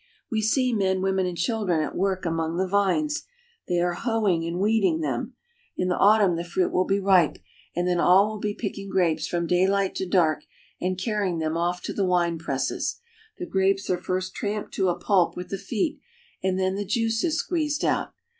We see men, women, and children at work among the vines. They are hoeing and weeding them. In the autumn the fruit will be ripe, and then all will be picking grapes from daylight to dark, and carrying them off to the wine presses. The grapes are first tramped to a pulp with the feet, and then the juice is squeezed out.